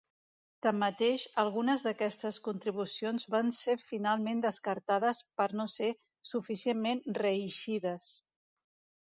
Tanmateix, algunes d'aquestes contribucions van ser finalment descartades per no ser suficientment reeixides.